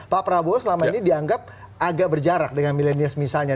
pak prabowo selama ini dianggap agak berjarak dengan milenial misalnya